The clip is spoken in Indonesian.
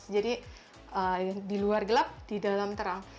jadi di luar gelap di dalam terang